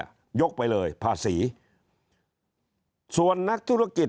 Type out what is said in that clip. ยกไปเลยภาษี